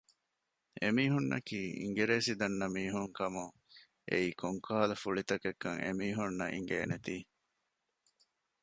އެމީހުންނަކީ އިނގިރޭސި ދަންނަ މީހުން ކަމުން އެއީ ކޮންކަހަލަ ފުޅި ތަކެއްކަން އެމީހުންނަށް އިނގޭނެތީ